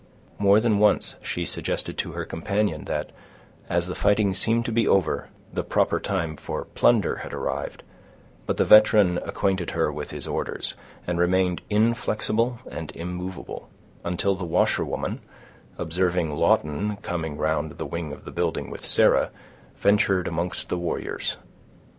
More than once she suggested to her companion, that, as the fighting seemed to be over, the proper time for plunder had arrived, but the veteran acquainted her with his orders, and remained inflexible and immovable; until the washerwoman, observing Lawton come round the wing of the building with Sarah, ventured amongst the warriors.